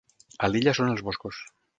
A l'illa són els boscos.